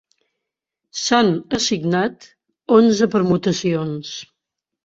S'han assignat onze permutacions.